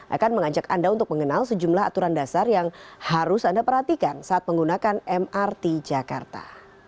akan mengajak anda untuk mengenal sejumlah aturan dasar yang harus anda perhatikan saat menggunakan mrt jakarta